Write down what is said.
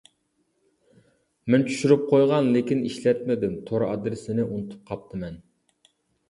مەن چۈشۈرۈپ قويغان لېكىن ئىشلەتمىدىم تور ئادرېسىنى ئۇنتۇپ قاپتىمەن.